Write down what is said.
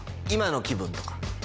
「今の気分」とか。